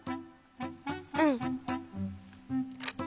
うん。